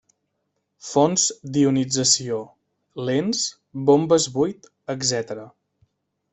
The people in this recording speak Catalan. Fonts d'ionització, lents, bombes buit, etcètera.